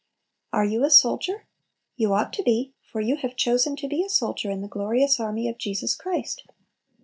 Are you a soldier? You ought to be, for you have been chosen to be a soldier in the glorious army of Jesus Christ.